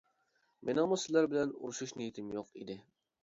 مېنىڭمۇ سىلەر بىلەن ئۇرۇشۇش نىيىتىم يوق ئىدى.